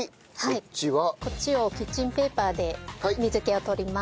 こっちをキッチンペーパーで水気を取ります。